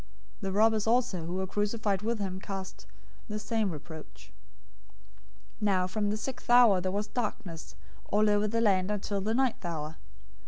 '" 027:044 The robbers also who were crucified with him cast on him the same reproach. 027:045 Now from the sixth hour{noon} there was darkness over all the land until the ninth hour.